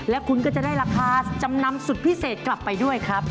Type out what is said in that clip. และคุณก็จะได้ราคาจำนำสุดพิเศษกลับไปด้วยครับ